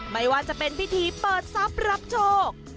ไม่ว่าจะเป็นพิธีเปิดทรัพย์รับโชค